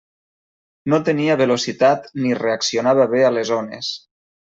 No tenia velocitat ni reaccionava bé a les ones.